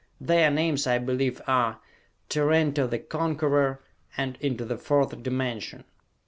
Their names I believe are "Tarranto the Conquerer" and "Into the Fourth Dimension."